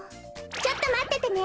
ちょっとまっててね。